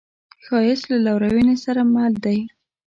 ښایست له لورینې سره مل دی